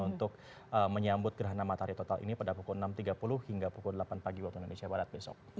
untuk menyambut gerhana matahari total ini pada pukul enam tiga puluh hingga pukul delapan pagi waktu indonesia barat besok